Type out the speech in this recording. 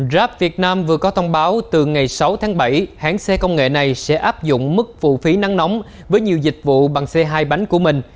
grab việt nam vừa có thông báo từ ngày sáu tháng bảy hãng xe công nghệ này sẽ áp dụng mức phụ phí nắng nóng với nhiều dịch vụ bằng c hai bánh của mình